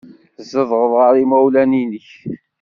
Tzedɣeḍ ɣer yimawlan-nnek.